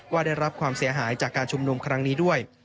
ได้รับความเสียหายจากการชุมนุมครั้งนี้ด้วย